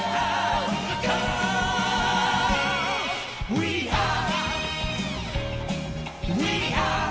「ウィーアー！」